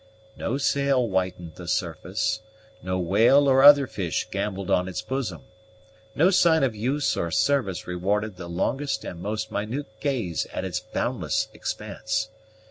No sail whitened the surface, no whale or other fish gambolled on its bosom, no sign of use or service rewarded the longest and most minute gaze at its boundless expanse.